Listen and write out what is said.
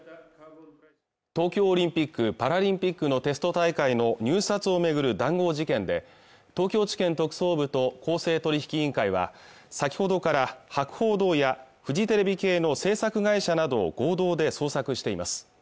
東京オリンピック・パラリンピックのテスト大会の入札を巡る談合事件で東京地検特捜部と公正取引委員会は先ほどから博報堂やフジテレビ系の制作会社など合同で捜索しています